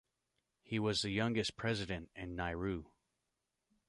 He was the youngest president in Nauru.